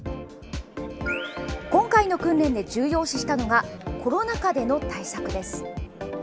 今回の訓練で重要視したのがコロナ禍での対策です。